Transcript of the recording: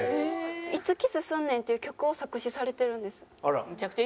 『いつキスすんねん』っていう曲を作詞されてるんです。